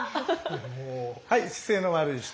はい姿勢の悪い人。